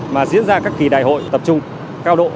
mà diễn ra các kỳ đại hội tập trung cao độ